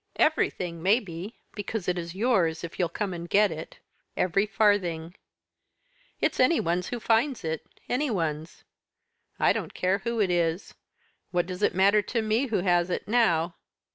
"'Everything maybe because it is yours, if you'll come and get it; every farthing. It's anyone's who finds it, anyone's I don't care who it is. What does it matter to me who has it now?